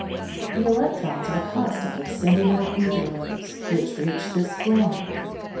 The electrons are constantly sending out æther waves, which reach this planet.